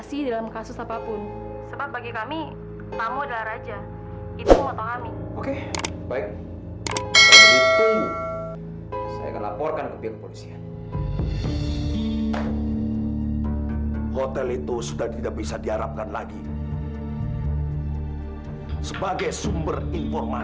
sampai jumpa di video selanjutnya